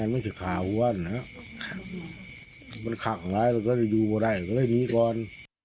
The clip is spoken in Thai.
ไม่ใช่ขาว้วนอะมันขังแล้วก็ได้อยู่เมื่อไหร่ก็ได้หนีก่อน